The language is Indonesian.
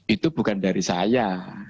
itu bukan dari saya